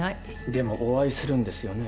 でもお会いするんですよね？